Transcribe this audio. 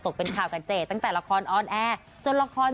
ขอบคุณครับ